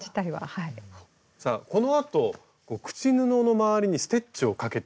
さあこのあと口布の周りにステッチをかけていく。